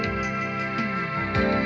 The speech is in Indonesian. semangat sangat mudah